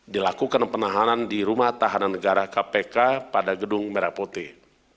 dilakukan penahanan di rumah tahanan negara kpk pada gedung merah putih